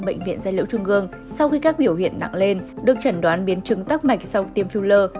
bệnh viện gia liễu trung ương sau khi các biểu hiện nặng lên được chẳng đoán biến chứng tắc mạch sau tiêm phiêu lờ